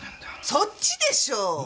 そっちでしょう！